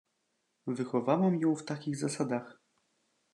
"Wychowałam ją w takich zasadach."